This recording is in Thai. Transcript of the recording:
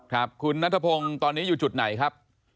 ครับคุณนัทพงศ์ตอนนี้อยู่จุดไหนครับ